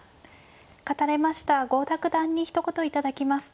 勝たれました郷田九段にひと言頂きます。